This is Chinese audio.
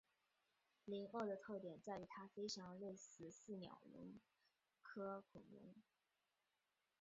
灵鳄的特点在于它非常类似似鸟龙科恐龙。